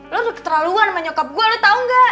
lo udah keterlaluan sama nyokap gue lo tau gak